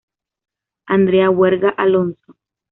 Andrea Huerga Alonso.